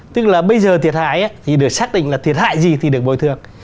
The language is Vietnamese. tức là bây giờ thiệt hại thì được xác định là thiệt hại gì thì được bồi thường